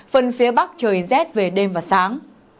phần phía bắc trời rét về đêm và sáng